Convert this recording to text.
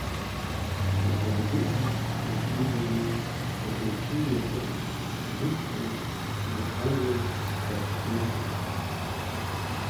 Бзыгәдыжәа, Беидыжәа ма Ббедыҩажәа, Мықәжәа, Бжьыӷәажәа, Баслыжәа…